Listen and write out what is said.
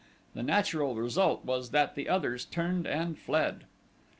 The natural result was that the others turned and fled.